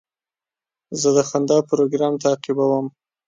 زه د خندا پروګرام تعقیبوم.